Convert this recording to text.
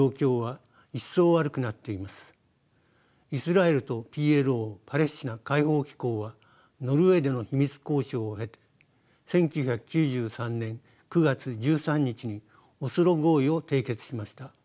イスラエルとＰＬＯパレスチナ解放機構はノルウェーでの秘密交渉を経て１９９３年９月１３日にオスロ合意を締結しました。